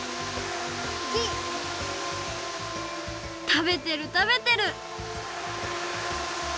たべてるたべてる！